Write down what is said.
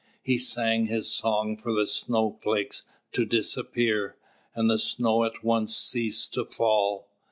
He sang his song for the snowflakes to disappear, and the snow at once ceased to fall.